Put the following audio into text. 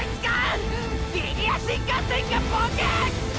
リニア新幹線かボケェ！！